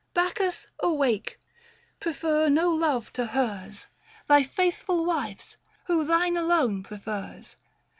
Bacchus,, awake ! Prefer no love to hers — Thy faithful wife's — who thine alone prefers.